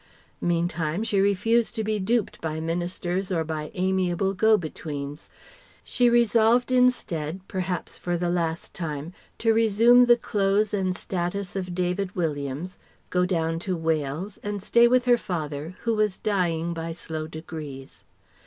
Meantime she refused to be duped by Ministers or by amiable go betweens. She resolved instead, perhaps for the last time, to resume the clothes and status of David Williams, go down to Wales, and stay with her father who was dying by slow degrees.